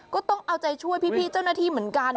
ก็ต้องเอาใจช่วยพี่เจ้าหน้าที่เหมือนกัน